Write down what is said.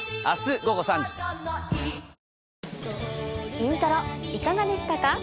『イントロ』いかがでしたか？